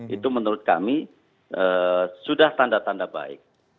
itu menurut kami sudah tanda tanda baik